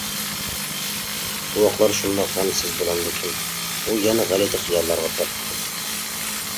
بوۋاقلار شۇنداق غەمسىز بولامدىكىن؟ . ئۇ يەنە غەلىتە خىياللارغا پاتتى.